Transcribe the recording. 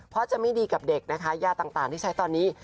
เพราะจะไม่ดีกับเด็กนะคะยาต่างที่ใช้ตอนนี้